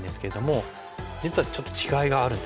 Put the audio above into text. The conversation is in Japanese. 実はちょっと違いがあるんですね。